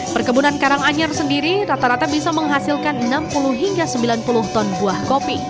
perkebunan karanganyar sendiri rata rata bisa menghasilkan enam puluh hingga sembilan puluh ton buah kopi